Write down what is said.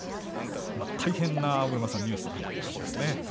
大変なニュースがあったんですね。